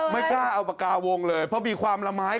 ไม่กล้าเอาปากกาวงเลยเพราะมีความละไม้